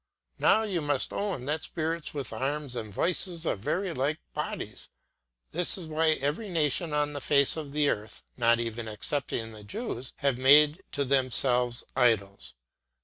Now you must own that spirits with arms and voices are very like bodies. This is why every nation on the face of the earth, not even excepting the Jews, have made to themselves idols.